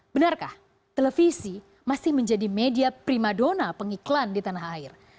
benarkah televisi masih menjadi media prima dona pengiklan di tanah air